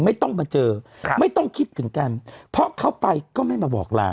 ไม่ต้องมาเจอไม่ต้องคิดถึงกันเพราะเขาไปก็ไม่มาบอกลา